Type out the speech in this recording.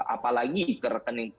apalagi ke rekening persen